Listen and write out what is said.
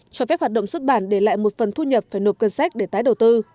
cho phép hoạt động xuất bản để lại một phần thu nhập phải nộp cân sách để tái đầu tư